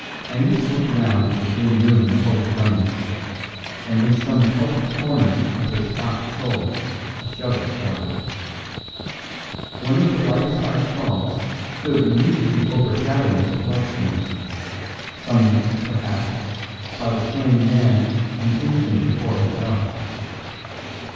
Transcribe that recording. Angus looked round at the dim room full of dummies, and in some Celtic corner of his Scotch soul a shudder started. One of the life size dolls stood immediately overshadowing the blood stain, summoned, perhaps, by the slain man an instant before he fell.